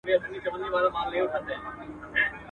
هغه ورځ لبري نه ده